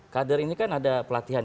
kader ini kan ada pelatihan